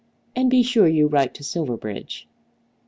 And be sure you write to Silverbridge."